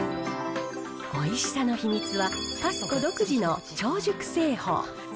おいしさの秘密は、パスコ独自の超熟製法。